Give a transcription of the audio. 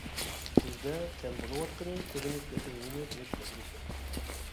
بىزدە كەم بولۇۋاتقىنى ئۆگىنىش ۋە ئۆزىمىزنى تونۇش مەسىلىسى.